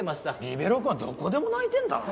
リベロウくんはどこでも泣いてんだな。